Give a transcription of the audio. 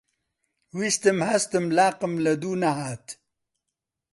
ویستم هەستم، لاقم لەدوو نەهات